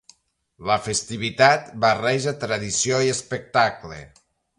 La festivitat barreja tradició i espectacle.